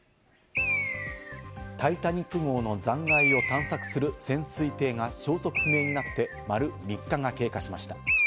タイタニック号の残骸を探索する潜水艇が消息不明になって丸３日が経過しました。